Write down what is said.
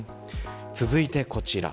続いてこちら。